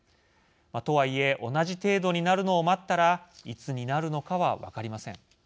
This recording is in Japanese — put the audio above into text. とはいえ同じ程度になるのを待ったらいつになるのかは分かりません。